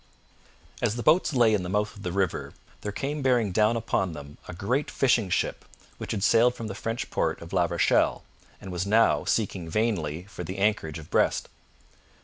As the boats lay in the mouth of the river, there came bearing down upon them a great fishing ship which had sailed from the French port of La Rochelle, and was now seeking vainly for the anchorage of Brest.